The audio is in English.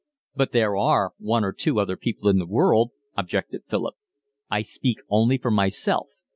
"But there are one or two other people in the world," objected Philip. "I speak only for myself.